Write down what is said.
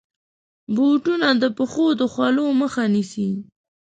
بوټونه د پښو د خولو مخه نیسي.